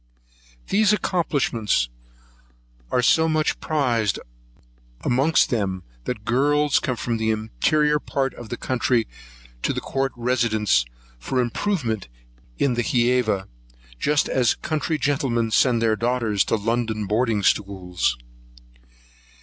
These accomplishments are so much prized amongst them that girls come from the interior parts of the country to the court residence, for improvement in the Hæva, just as country gentlemen send their daughters to London boarding schools.